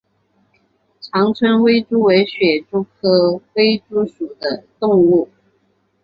长春微蛛为皿蛛科微蛛属的动物。